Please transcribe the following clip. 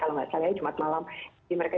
kalau nggak salah jumat malam jadi mereka